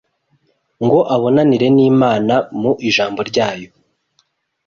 ngo abonanire n’Imana mu ijambo ryayo